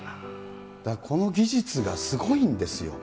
だからこの技術がすごいんですよ。